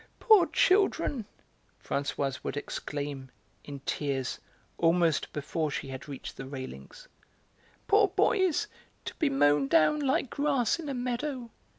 "Poor children," Françoise would exclaim, in tears almost before she had reached the railings; "poor boys, to be mown down like grass in a meadow.